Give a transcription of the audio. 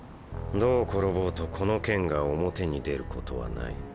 どう転ぼうとこの件が表に出ることはない。